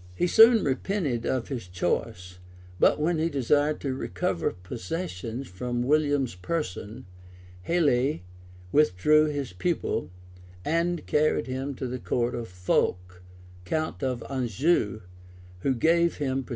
} He soon repented of his choice; but when he desired to recover possession of William's person, Helie withdrew his pupil, and carried him to the court of Fulk, count of Anjou, who gave him protection.